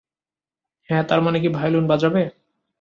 হ্যাঁ - তার মানে কি ভায়োলিন বাজাবে?